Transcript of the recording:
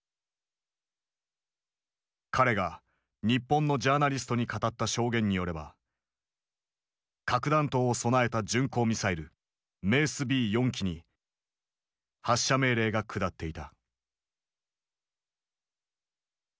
彼が日本のジャーナリストに語った証言によれば核弾頭を備えた巡航ミサイルメースＢ４基に発射命令が下っていた。